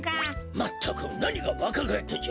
まったくなにがわかがえったじゃ。